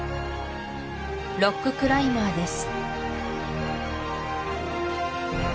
ロッククライマーです